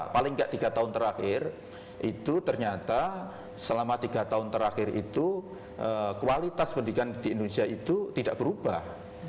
paling tidak tiga tahun terakhir itu ternyata selama tiga tahun terakhir itu kualitas pendidikan di indonesia itu tidak berubah